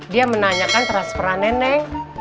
dia menanyakan transperan neneng